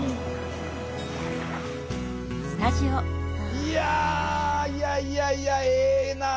いやいやいやいやええな。